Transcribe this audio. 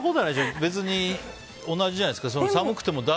別に同じじゃないですか。